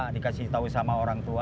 dikasih tahu sama orang tua